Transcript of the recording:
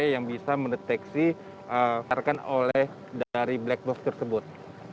yang bisa mendeteksi harkan oleh dari black box tersebut